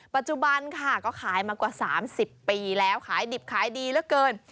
ปัจจุบันค่ะก็ขายมากว่า๓๐ปีแล้วขายดิบขายดีเหลือเกิน